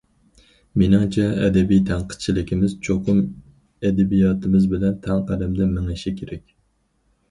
مېنىڭچە، ئەدەبىي تەنقىدچىلىكىمىز چوقۇم ئەدەبىياتىمىز بىلەن تەڭ قەدەمدە مېڭىشى كېرەك.